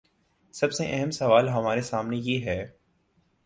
سب سے اہم سوال ہمارے سامنے یہ ہے۔